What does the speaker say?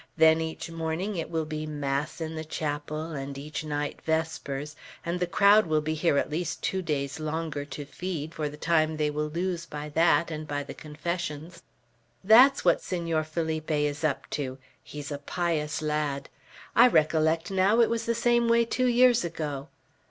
Then each morning it will be mass in the chapel, and each night vespers; and the crowd will be here at least two days longer to feed, for the time they will lose by that and by the confessions. That's what Senor Felipe is up to. He's a pious lad. I recollect now, it was the same way two years ago.